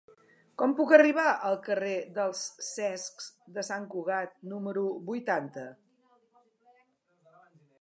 Com puc arribar al carrer dels Cecs de Sant Cugat número vuitanta?